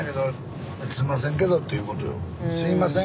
「すいませんけど」